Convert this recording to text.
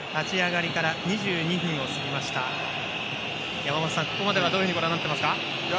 山本さん、ここまではどのようにご覧になってますか。